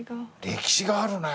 歴史があるね。